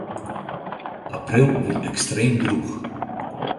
April wie ekstreem drûch.